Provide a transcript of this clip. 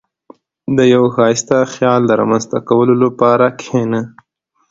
• د یو ښایسته خیال د رامنځته کولو لپاره کښېنه.